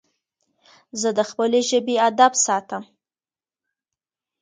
زه د خپلي ژبي ادب ساتم.